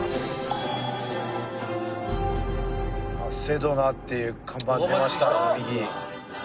セドナっていう看板出ました右。